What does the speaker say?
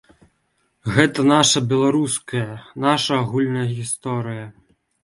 Гэта наша беларуская, наша агульная гісторыя.